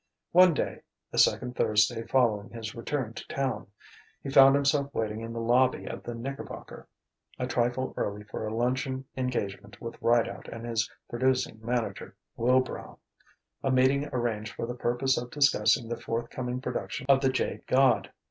One day the second Thursday following his return to Town he found himself waiting in the lobby of the Knickerbocker, a trifle early for a luncheon engagement with Rideout and his producing manager, Wilbrow: a meeting arranged for the purpose of discussing the forthcoming production of "The Jade God."